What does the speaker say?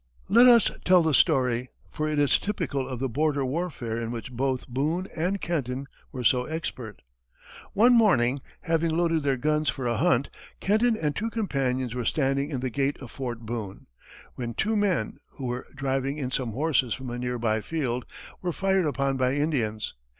Let us tell the story, for it is typical of the border warfare in which both Boone and Kenton were so expert. One morning, having loaded their guns for a hunt, Kenton and two companions were standing in the gate of Fort Boone, when two men, who were driving in some horses from a near by field, were fired upon by Indians.